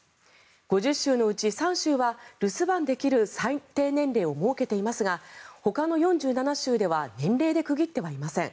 ５０州のうち３州は留守番できる最低年齢を設けていますがほかの４７州では年齢で区切ってはいません。